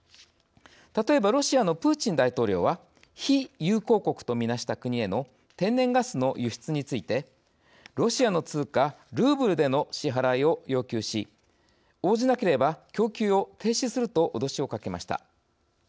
例えばロシアのプーチン大統領は「非友好国」とみなした国への天然ガスの輸出についてロシアの通貨ルーブルでの支払いを要求し応じなければ供給を停止すると脅しをかけました。